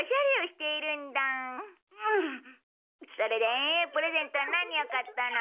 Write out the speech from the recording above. それでプレゼントは何を買ったの？